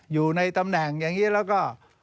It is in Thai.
อยู่ในตำแหน่งอย่างนี้แล้วก็